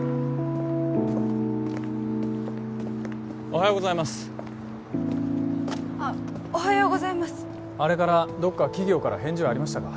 おはようございますあおはようございますあれからどっか企業から返事はありましたか？